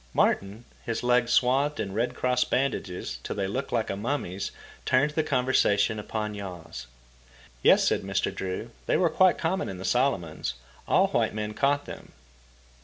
Martin, his legs swathed in Red Cross bandages till they looked like a mummy's, turned the conversation upon yaws. Yes, said Mr. Drew, they were quite common in the Solomons. All white men caught them.